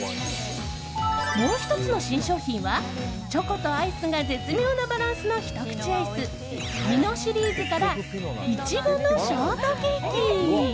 もう１つの新商品はチョコとアイスが絶妙なバランスのひと口アイスピノシリーズから苺のショートケーキ。